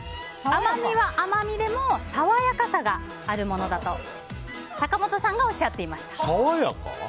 甘みは甘みでも爽やかさがあるものだと坂本さんがおっしゃっていました。